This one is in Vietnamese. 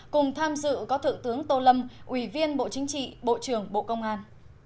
cùng tham dự có thượng tướng tô lâm ủy viên bộ chính trị bộ trưởng bộ công an